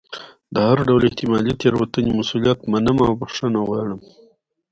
د هر ډول احتمالي تېروتنې مسؤلیت منم او بښنه غواړم.